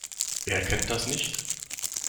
Wer kennt das nicht?